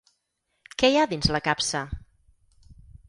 Què hi ha dins la capsa?